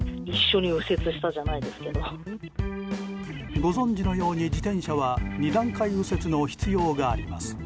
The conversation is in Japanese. ご存じのように自転車は二段階右折の必要があります。